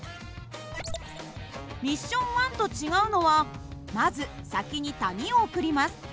ミッション１と違うのはまず先に谷を送ります。